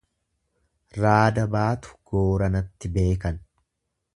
Raada baatu gooranatti beekan.